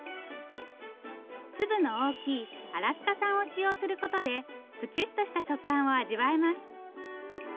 粒の大きいアラスカ産を使用することでプチッとした食感を味わえます。